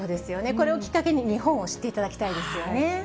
これをきっかけに、日本を知っていただきたいですよね。